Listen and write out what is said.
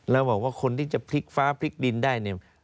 แล้วบอกว่าคนที่จะพลิกฟ้าพลิกดินได้เนี่ย